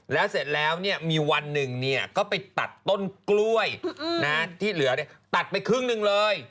แล้วเสร็จแล้วเนี่ยมีวันหนึ่งเนี่ยก็ไปตัดต้นกล้วยนะที่เหลือเนี่ยตัดไปครึ่งหนึ่งเลย